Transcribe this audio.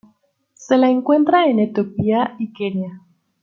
Se la encuentra en Etiopía y Kenia.